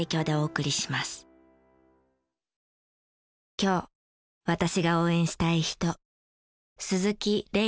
今日私が応援したい人。